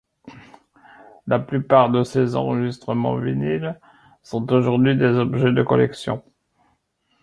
La plupart de ses enregistrements vinyles, sont aujourd'hui des objets de collection.